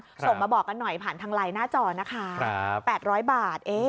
ส่งมาบอกกันหน่อยผ่านทางไลน์หน้าจอนะคะ๘๐๐บาท